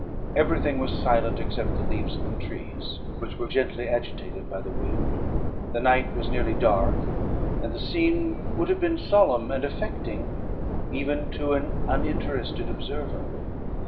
Every thing was silent, except the leaves of the trees, which were gently agitated by the wind; the night was nearly dark; and the scene would have been solemn and affecting even to an uninterested observer.